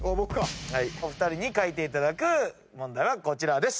お二人に描いていただく問題はこちらです。